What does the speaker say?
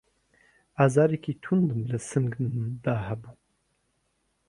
ئازارێکی توندم له سنگمدا هەبوو